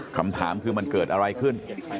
คำถามคือมันเกิดอะไรขึ้น